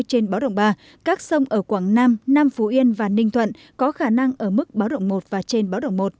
trên báo động ba các sông ở quảng nam nam phú yên và ninh thuận có khả năng ở mức báo động một và trên báo động một